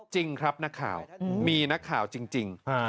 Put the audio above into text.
จริงครับนักข่าวมีนักข่าวจริง